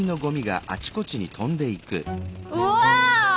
うわ！